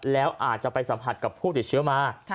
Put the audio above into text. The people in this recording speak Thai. แล้วอาจจะไปสัมผัสกับผู้ติดเชื้อมา